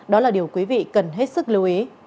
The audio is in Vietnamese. đó là điều quý vị cần hết sức lưu ý